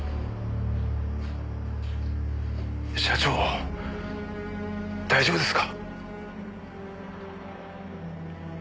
社長大丈夫ですか？